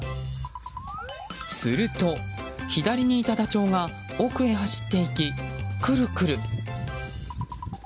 すると左にいたダチョウが奥へ走っていき、くるくる。